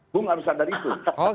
bung harus sadar itu